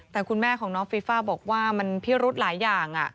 แต่คุณแม่ของน้องฟีฟ่าบอกว่ามันพิรุธหลายอย่าง